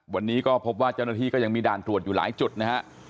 วันนี้ก็พบว่าเจ้าหน้าที่ก็ยังมีด่านตรวจอยู่หลายจุดนะฮะ